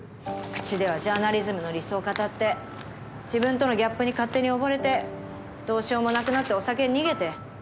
口ではジャーナリズムの理想を語って自分とのギャップに勝手に溺れてどうしようもなくなってお酒に逃げて。